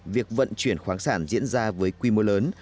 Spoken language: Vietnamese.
việc vận chuyển khoáng sản diễn ra với quy mô lớn